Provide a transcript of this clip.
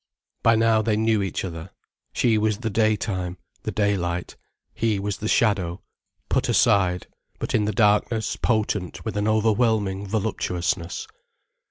By now they knew each other; she was the daytime, the daylight, he was the shadow, put aside, but in the darkness potent with an overwhelming voluptuousness.